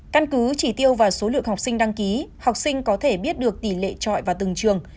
căn cứ chỉ tiêu và số lượng học sinh đăng ký học sinh có thể biết được tỷ lệ trọi vào từng trường